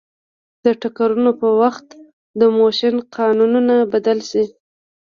د ټکرونو په وخت د موشن قانونونه بدل شي.